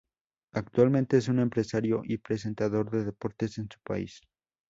Actualmente es un empresario y presentador de deportes en su país.